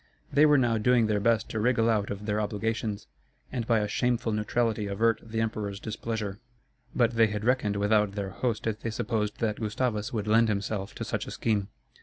They were now doing their best to wriggle out of their obligations, and by a shameful neutrality avert the emperor's displeasure. But they had reckoned without their host if they supposed that Gustavus would lend himself to such a scheme.